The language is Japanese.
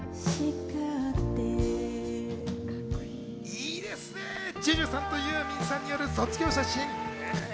いいですね、ＪＵＪＵさんとユーミンさんによる『卒業写真』。